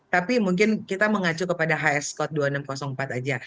tapi mungkin kita mengacu kepada hs code dua ribu enam ratus empat aja